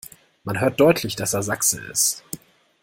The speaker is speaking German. Man hört deutlich, dass er Sachse ist.